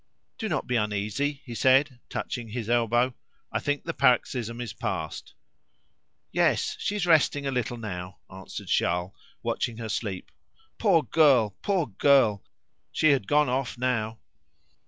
"Do not be uneasy," he said, touching his elbow; "I think the paroxysm is past." "Yes, she is resting a little now," answered Charles, watching her sleep. "Poor girl! poor girl! She had gone off now!"